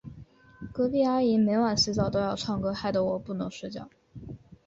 隔壁阿姨每晚洗澡都要唱歌，害得我不能睡觉。